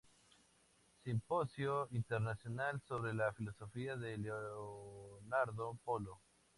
Simposio internacional sobre la filosofía de Leonardo Polo.